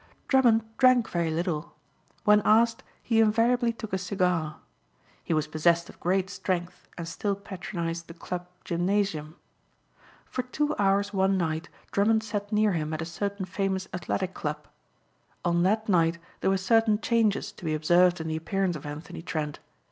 Drummond drank very little. When asked he invariably took a cigar. He was possessed of great strength and still patronized the club gymnasium. For two hours one night Drummond sat near him at a certain famous athletic club. On that night there were certain changes to be observed in the appearance of Anthony Trent.